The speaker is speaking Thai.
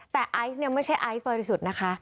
แต่ไอซ์เนี่ยไม่ใช่ไอซ์บริสุทธิ์นะคะ